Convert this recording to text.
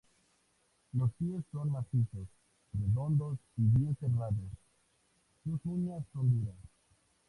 Los pies son macizos, redondos y bien cerrados, sus uñas son duras.